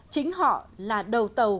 chính họ là đầu tàu